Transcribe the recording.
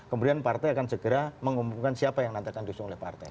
kemudian partai akan segera mengumumkan siapa yang nantikan disuruh oleh partai